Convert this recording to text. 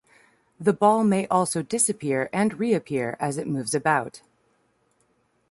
The ball may also disappear and re-appear as it moves about.